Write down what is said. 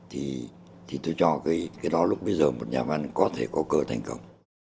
thì tôi cho cái đó lúc bây giờ một nhà văn có thể có cơ thành công